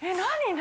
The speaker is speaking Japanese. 何？